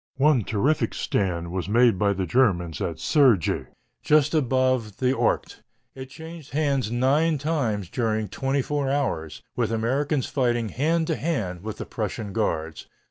One terrific stand was made by the Germans at Sergy, just above the Ourcq. It changed hands nine times during twenty four hours, with Americans fighting hand to hand with the Prussian guards.